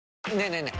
ねえねえ